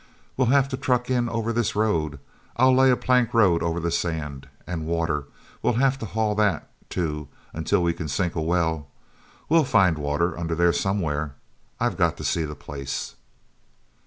We'll have to truck in over this road; I'll lay a plank road over the sand. And water—we'll have to haul that, too, until we can sink a well. We'll find water under there somewhere. I've got to see the place...."